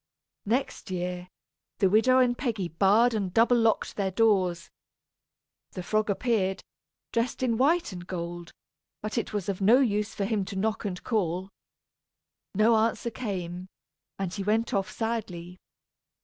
Next year, the widow and Peggy barred and double locked their doors. The frog appeared, dressed in white and gold, but it was of no use for him to knock and call. No answer came, and he went off sadly.